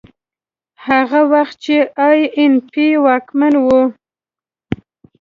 هغه وخت چې اي این پي واکمن و.